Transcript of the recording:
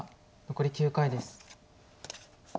残り９回です。